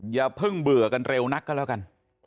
อย่าเพิ่งเบื่อกันเร็วนักก็แล้วกัน